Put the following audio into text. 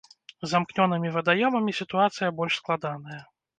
З замкнёнымі вадаёмамі сітуацыя больш складаная.